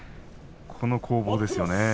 この攻防ですよね。